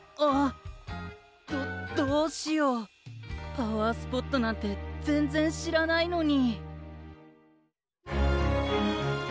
パワースポットなんてぜんぜんしらないのに。